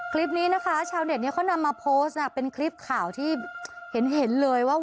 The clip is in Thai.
คลิปนี้นะคะชาวเน็ตนี้เขานำมาโพสต์เป็นคลิปข่าวที่เห็นเลยว่า